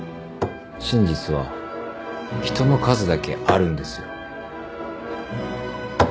真実は人の数だけあるんですよ。